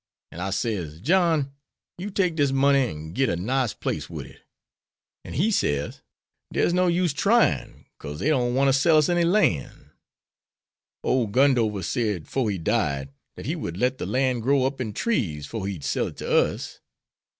An' I sez, 'John, you take dis money an' git a nice place wid it.' An' he sez, 'Dere's no use tryin', kase dey don't want ter sell us any lan'.' Ole Gundover said, 'fore he died, dat he would let de lan' grow up in trees 'fore he'd sell it to us.